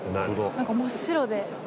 何か真っ白で。